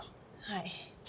はい。